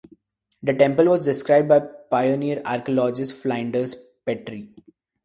The temple was described by pioneer archaeologist Flinders Petrie.